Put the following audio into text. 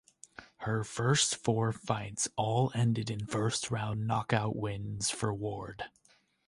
Her first four fights all ended in first round knockout wins for Ward.